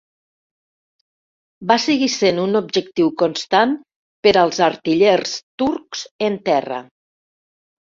Va seguir sent un objectiu constat per als artillers turcs en terra.